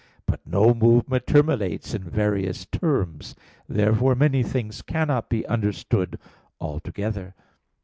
But no movement terminates in various terms. Therefore many things cannot be understood altogether.